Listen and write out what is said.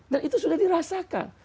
dan itu sudah dirasakan